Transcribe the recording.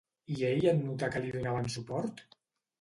I ell en notar que li donaven suport?